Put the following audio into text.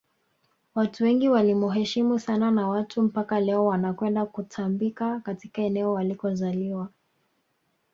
watu wengi walimuheshimu sana na watu mpaka leo wanakwenda kutambika katika eneo alikozaliwa